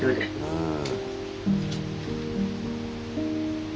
うん。